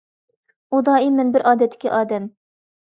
ئۇ دائىم: مەن بىر ئادەتتىكى ئادەم.